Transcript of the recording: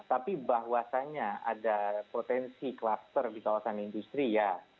tapi bahwasannya ada potensi kluster di kawasan industri ya